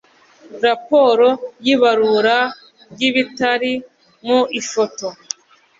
raporo y ibarura ry ibitari mu ifoto